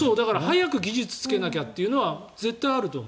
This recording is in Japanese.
早く技術をつけなきゃというのはあると思う。